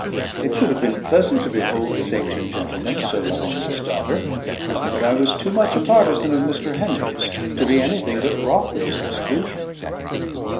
It should have been pleasant to behold this ancient gentleman so loving with his daughter, but I was too much a partisan of Mr. Henry's to be anything but wroth at his exclusion.